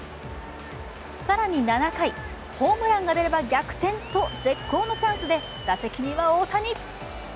更に７回ホームランが出れば逆転と絶好のチャンスで打席には大谷。